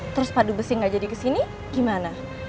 terus padu besi nggak jadi ke sini gimana